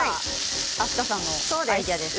明日香さんのアイデアですよ。